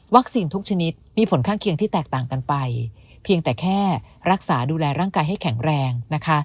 ทุกชนิดมีผลข้างเคียงที่แตกต่างกันไปเพียงแต่แค่รักษาดูแลร่างกายให้แข็งแรงนะคะ